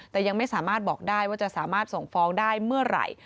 แต่ยังไม่สามารถบอกได้ว่าจะสามารถส่งฟ้องได้เมื่อไหร่